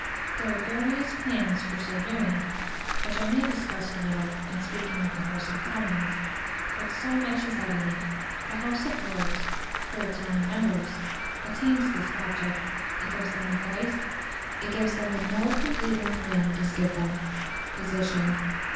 There are various plans for so doing, which I may discuss a little in speaking of the House of Commons. But so much is evident: the House of Lords, for its own members, attains this object; it gives them a voice, it gives them what no competing plan does give them POSITION.